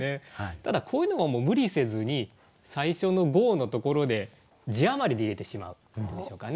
ただこういうのは無理せずに最初の５音のところで字余りで入れてしまうというんでしょうかね。